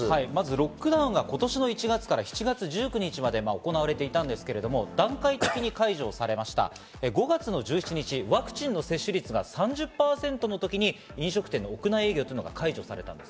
ロックダウンが今年の１月５日から７月１９日まで行われていたんですが、段階的５月の１７日、ワクチンの接種率が３０％の時に飲食店の屋内営業が開始されたんです。